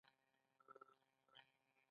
دا مبارزه له تاوتریخوالي ډکه وي